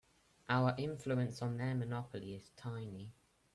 Our influence on their monopoly is tiny.